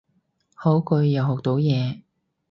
好句，又學到嘢